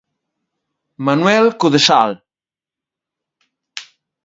Manuel Codesal.